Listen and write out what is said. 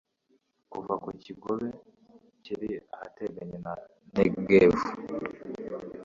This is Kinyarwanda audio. kuva ku kigobe kiri ahateganye na negevu